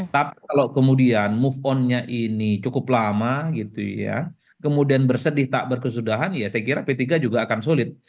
tapi kalau kemudian move on nya ini cukup lama gitu ya kemudian bersedih tak berkesudahan ya saya kira p tiga juga akan sulit